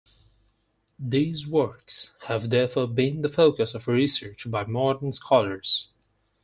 These works have therefore been the focus of research by modern scholars.